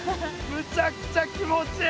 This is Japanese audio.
むちゃくちゃ気持ちいい！